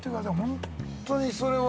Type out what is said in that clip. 本当に、それを。